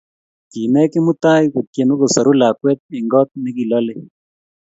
Kimee Kimutai kotyeme kosaru lakwet eng kot nekilolei